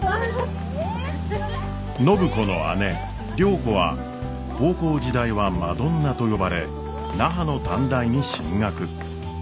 暢子の姉良子は高校時代はマドンナと呼ばれ那覇の短大に進学。